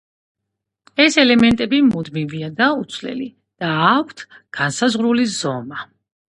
ეს ელემენტები მუდმივია და უცვლელი და აქვთ განსაზღვრული ზომა.